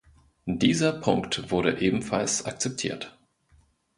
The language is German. Dieser Punkt wurde ebenfalls akzeptiert.